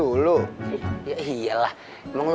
udah sekarang aku makan